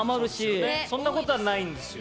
いやそんなことはないんですよ。